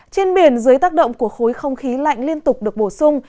trên biển dưới tác động của khối không khí lạnh liên tục được bổ sung